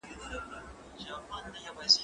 زه به کتابتوننۍ سره وخت تېره کړی وي؟